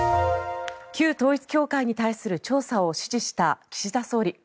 旧統一教会に対する調査を指示した岸田総理。